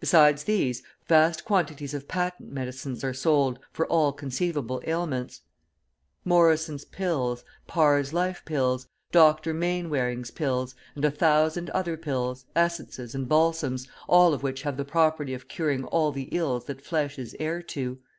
Besides these, vast quantities of patent medicines are sold, for all conceivable ailments: Morrison's Pills, Parr's Life Pills, Dr. Mainwaring's Pills, and a thousand other pills, essences, and balsams, all of which have the property of curing all the ills that flesh is heir to.